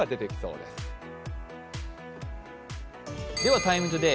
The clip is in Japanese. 「ＴＩＭＥ，ＴＯＤＡＹ」